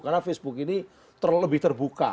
karena facebook ini lebih terbuka